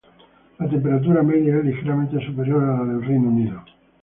La temperatura media es ligeramente superior a la del Reino Unido.